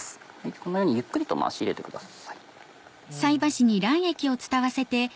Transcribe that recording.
このようにゆっくりと回し入れてください。